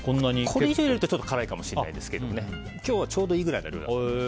これ以上入れると辛いかもしれないですけど今日は、ちょうどいいぐらいの量だと思います。